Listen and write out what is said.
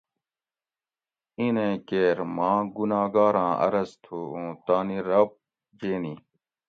اِینیں کیر ماں گناگاراں عرض تھو اوں تانی رب جینی